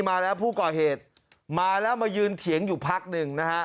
มาแล้วผู้ก่อเหตุมาแล้วมายืนเถียงอยู่พักหนึ่งนะฮะ